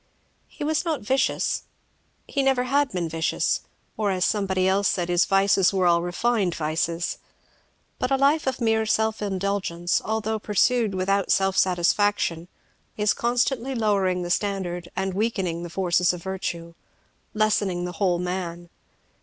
He was not vicious, he never had been vicious, or, as somebody else said, his vices were all refined vices; but a life of mere self indulgence although pursued without self satisfaction, is constantly lowering the standard and weakening the forces of virtue, lessening the whole man.